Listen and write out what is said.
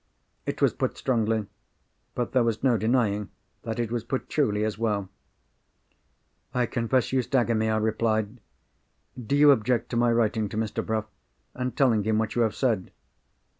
It was put strongly; but there was no denying that it was put truly as well. "I confess you stagger me," I replied. "Do you object to my writing to Mr. Bruff, and telling him what you have said?"